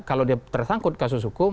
kalau dia tersangkut kasus hukum